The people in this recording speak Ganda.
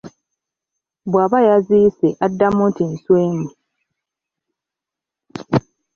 Bw'aba yazisse addamu nti nswemu.